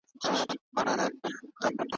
وخته ستا قربان سم